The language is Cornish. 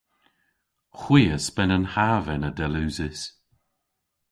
Hwi a spen an hav ena dell usys.